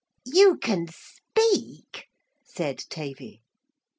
'You can speak?' said Tavy.